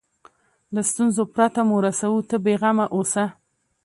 له ستونزو پرته مو رسوو ته بیغمه اوسه.